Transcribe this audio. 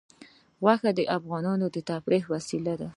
غوښې د افغانانو د تفریح یوه وسیله ده.